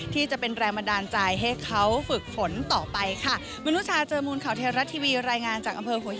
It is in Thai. ที่จะเป็นแรมดาลใจให้เขาฝึกผลต่อไปค่ะ